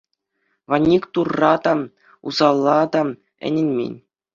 Ванюк Турра та, усала та ӗненмен.